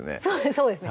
そうですね